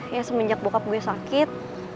ya semenjak bokap gue sakit